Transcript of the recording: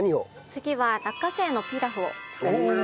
次は落花生のピラフを作ります。